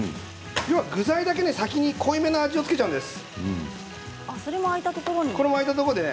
具材だけに、先に濃いめの味付けを付けちゃうんです。